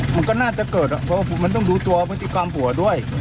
มันก็น่าจะเกิดเพราะว่ามันต้องดูตัวพฤติกรรมผัวด้วย